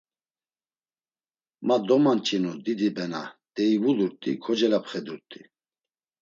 Ma domanç̌inu didi bena, deyi vulurt̆i kocelapxedurt̆i.